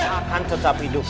dia akan tetap hidup